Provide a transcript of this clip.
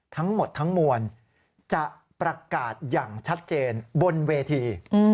ทั้งหมดทั้งมวลจะประกาศอย่างชัดเจนบนเวที